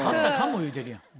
言うてるやん。